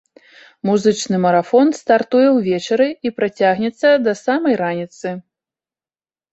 Музычны марафон стартуе ўвечары і працягнецца да самай раніцы.